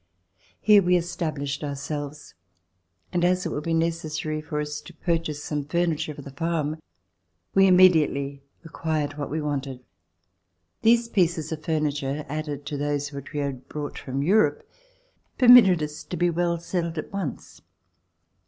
Here we established ourselves, and, as it would be necessary for us to purchase some furniture for the farm, we immediately acquired what we wanted. These pieces of furniture, added to those which we had brought from Europe, permitted us to be well settled at once.